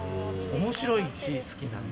面白いし、好きなんだ。